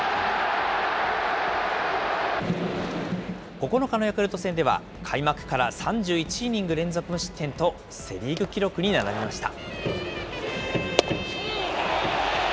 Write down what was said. ９日のヤクルト戦では、開幕から３１イニング連続無失点と、セ・リーグ記録に並びました。